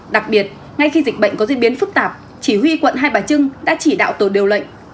đặc biệt ngay khi dịch bệnh có diễn biến phức tạp chỉ huy quận hai bà trưng đã chỉ đạo tổ điều lệnh